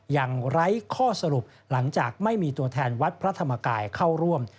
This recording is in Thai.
ไร้ข้อสรุปหลังจากไม่มีตัวแทนวัดพระธรรมกายเข้าร่วม